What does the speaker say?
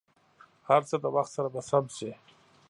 هر څه د وخت سره به سم شي.